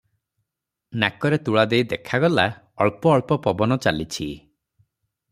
ନାକରେ ତୁଳା ଦେଇ ଦେଖାଗଲା, ଅଳ୍ପ ଅଳ୍ପ ପବନ ଚାଲିଛି ।